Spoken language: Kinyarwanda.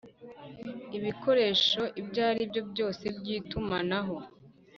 ibikoresho ibyo ari byo byose by itumanaho